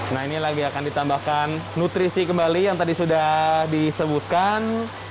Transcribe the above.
nah ini lagi akan ditambahkan nutrisi kembali yang tadi sudah disebutkan